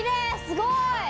すごい！